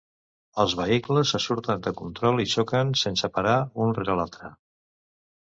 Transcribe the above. Els vehicles se surten de control i xoquen sense parar, un rere l'altre.